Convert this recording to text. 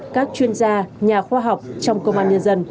các chuyên gia nhà khoa học trong công an nhân dân